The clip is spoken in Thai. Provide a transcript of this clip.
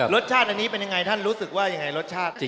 รสชาติอันนี้เป็นยังไงท่านรู้สึกว่ายังไงรสชาติจริง